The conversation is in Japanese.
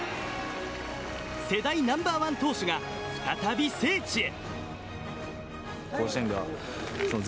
世代ナンバーワン投手が再び聖地へ。